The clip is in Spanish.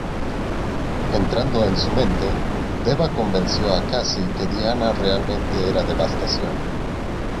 Entrando en su mente, Deva convenció a Cassie que Diana realmente era Devastación.